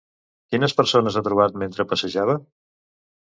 Quines persones ha trobat mentre passejava?